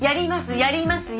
やりますよ。